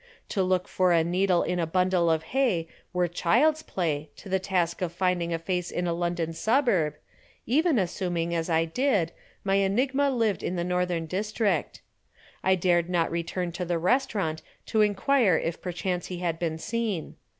To look for a needle in a bundle of hay were child's play to the task of finding a face in a London suburb, even assuming as I did my enigma lived in the northern district. I dared not return to the restaurant to inquire if perchance he had been seen.